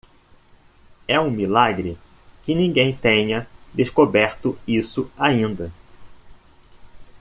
É um milagre que ninguém tenha descoberto isso ainda.